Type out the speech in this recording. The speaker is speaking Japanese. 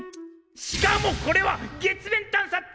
しかもこれは「月面探査２」！